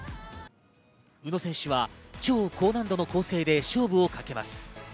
宇野選手は超高難度の構成で勝負をかけます。